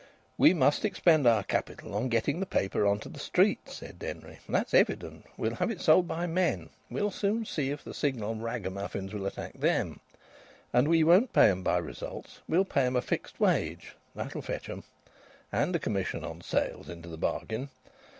"We must expend our capital on getting the paper on to the streets," said Denry. "That's evident. We'll have it sold by men. We'll soon see if the Signal ragamuffins will attack them. And we won't pay 'em by results; we'll pay 'em a fixed wage; that'll fetch 'em. And a commission on sales into the bargain.